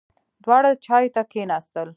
دواړه چایو ته کېناستل.